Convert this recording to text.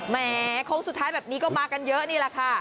แหมโค้งสุดท้ายแบบนี้ก็มากันเยอะนี่แหละค่ะ